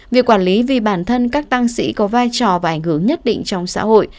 việc quản lý vì bản thân các tăng sĩ có vai trò và ảnh hưởng nhất định trong xã hội